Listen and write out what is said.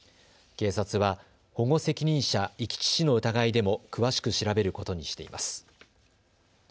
警察は保護責任者遺棄致死の疑いでも詳しく調べることにしています。